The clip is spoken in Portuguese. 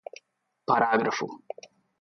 Parágrafo